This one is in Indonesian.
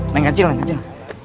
neng acil neng acil